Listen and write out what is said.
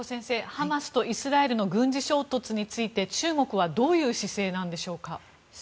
ハマスとイスラエルの軍事衝突について中国はどういう姿勢なんでしょうか。